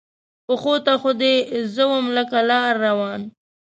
پښو ته خو دې زه وم لکه لار روان